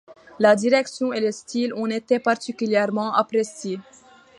La direction et le style ont été particulièrement appréciés.